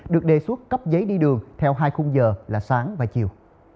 được đề xuất cấp giấy đi đường theo hai khung giờ là sáng và chiều